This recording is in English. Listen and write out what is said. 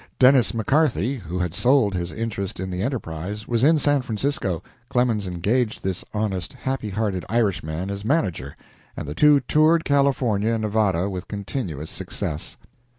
Dennis McCarthy, who had sold his interest in the "Enterprise," was in San Francisco. Clemens engaged this honest, happy hearted Irishman as manager, and the two toured California and Nevada with continuous success.